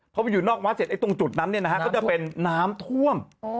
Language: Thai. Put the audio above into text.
พอไปอยู่นอกวัดเสร็จตรงจุดนั้นก็จะเป็นน้ำท่วม